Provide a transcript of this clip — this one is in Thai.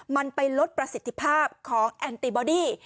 มันไปลดประสิทธิภาพของแอนติบอดี้